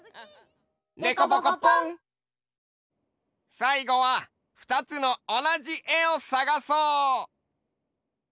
さいごはふたつのおなじえをさがそう！